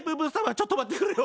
「ちょっと待ってくれよ！